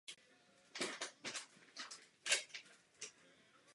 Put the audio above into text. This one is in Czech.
Po absolvování vojenské služby pracoval v reklamě v brněnském Domě služeb.